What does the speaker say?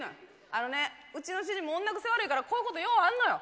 あのねうちの主人も女癖悪いからこういうことようあんのよ。